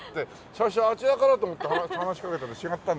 最初あちらかなと思って話しかけたら違ったんですけどね。